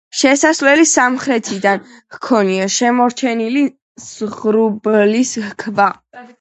შესასვლელი სამხრეთიდან ჰქონია, შემორჩენილია ზღურბლის ქვა.